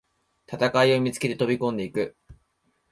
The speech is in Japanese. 戦いを見つけて飛びこんでいく